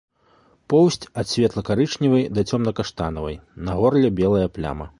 Поўсць ад светла-карычневай да цёмна-каштанавай, на горле белая пляма.